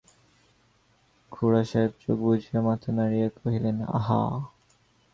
খুড়াসাহেব চোখ বুজিয়া মাথা নাড়িয়া কহিলেন, আহা!